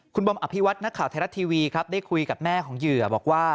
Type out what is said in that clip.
คุณบอมอภิวัตนักข่าวไทยรัฐทีวีครับได้คุยกับแม่ของเหยื่อบอกว่า